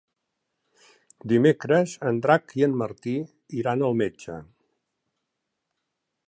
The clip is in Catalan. Dimecres en Drac i en Martí iran al metge.